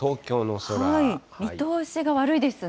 見通しが悪いですね。